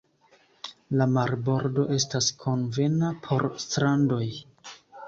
La marbordo estas konvena por strandoj.